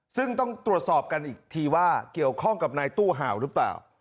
ซึ่งต้องตรวจสอบกันอีกทีว่าเกี่ยวข้องกับนายตู้เห่าหรือเปล่า